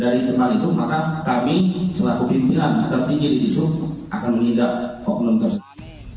dari teman itu maka kami selaku pimpinan tertinggi di disuruh akan menghindar oknum tersebut